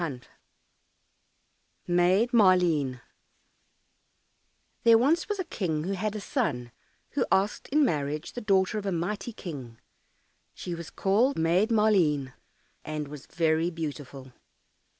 198 Maid Maleen There was once a King who had a son who asked in marriage the daughter of a mighty King; she was called Maid Maleen, and was very beautiful.